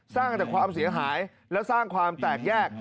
สร้างแต่ความเสียหายและสร้างความแตกแยก